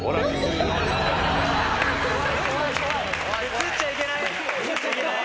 ・映っちゃいけない。